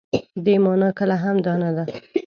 دې مانا کله هم دا نه ده.